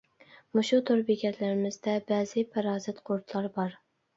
مۇشۇ تور بېكەتلىرىمىزدە بەزى پارازىت قۇرۇتلار بار.